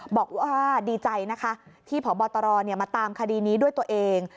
บอกว่าดีใจนะคะที่พบตรมาตามคดีนี้ด้วยตัวเอง